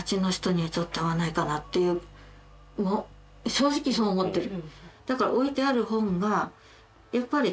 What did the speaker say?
正直そう思ってる。